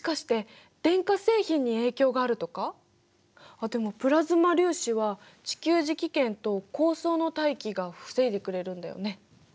あっでもプラズマ粒子は地球磁気圏と高層の大気が防いでくれるんだよね。